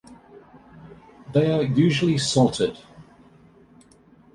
They are usually salted.